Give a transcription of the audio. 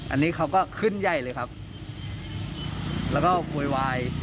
อันนี้เขาก็ขึ้นใหญ่เลยครับแล้วก็โวยวาย